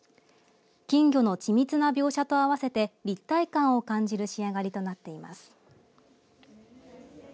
金魚の緻密な描写と併せて立体感を感じる仕上がりとなっています。